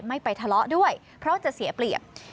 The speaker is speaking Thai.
ไม่ไปทะเลาะด้วยเพราะจะเสียเปรียบ